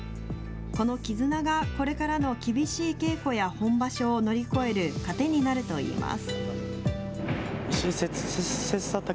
この絆が、これからの厳しい稽古や本場所を乗り越える糧になるといいます。